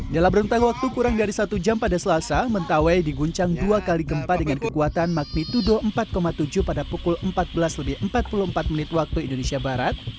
dalam rentang waktu kurang dari satu jam pada selasa mentawai diguncang dua kali gempa dengan kekuatan magnitudo empat tujuh pada pukul empat belas lebih empat puluh empat menit waktu indonesia barat